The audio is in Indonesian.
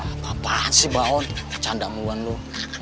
apa apaan sih baon canda mulu an lu